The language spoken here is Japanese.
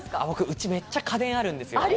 うち、めっちゃ家電あるんですよ。